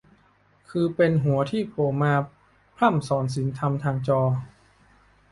คือเป็นหัวที่โผล่มาพร่ำสอนศีลธรรมทางจอ